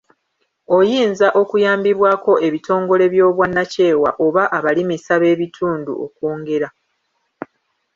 Oyinza okuyambibwako ebitongole by’obwannakyewa oba abalimisa b’ebitundu okwongera.